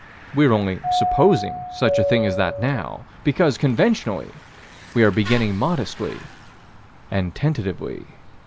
We're only supposing such a thing as that now, because, conventionally, we are beginning modestly and tentatively.